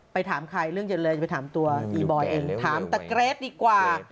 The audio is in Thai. ถามใครเรื่องเย็นเลยจะไปถามตัวอีบอยเองถามตะเกรดดีกว่า